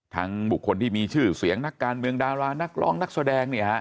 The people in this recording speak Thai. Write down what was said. ทั้งบุคคลที่มีชื่อเสียงนักการเมืองดารานักร้องนักแสดง